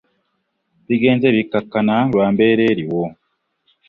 Bigenze bikkakkana lwa mbeera eriwo.